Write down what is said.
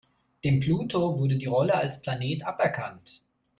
Dem Pluto wurde die Rolle als Planet aberkannt.